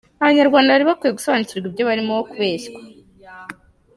Abanyarwanda bari bakwiye gusobanukirwa ibyo barimo kubeshywa!